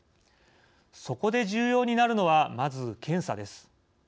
そこで重要になるのはまず検査です。